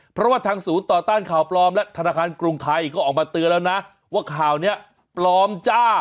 เพราะว่าทางศูนย์ต่อต้านข่าวปลอมและธนาคารกรุงไทยก็ออกมาเตือนแล้วนะว่าข่าวนี้ปลอมจ้า